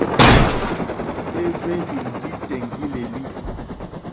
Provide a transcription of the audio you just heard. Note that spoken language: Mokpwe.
Éhwélì ndí tèŋɡílǃélí.